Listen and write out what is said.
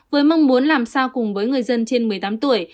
với mong muốn làm sao cùng với người dân trên một mươi tám tuổi